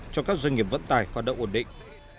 cho các doanh nghiệp vận tải hoạt động ổn định